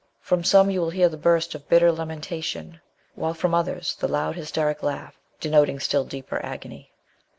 From some you will hear the burst of bitter lamentation, while from others the loud hysteric laugh, denoting still deeper agony.